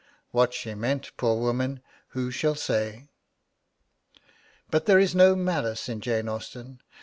What she meant, poor woman, who shall say?' But there is no malice in Jane Austen.